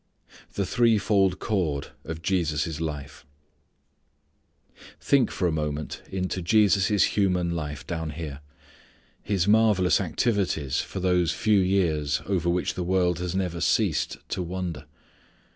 The Threefold Cord of Jesus' Life. Think for a moment into Jesus' human life down here. His marvellous activities for those few years over which the world has never ceased to wonder.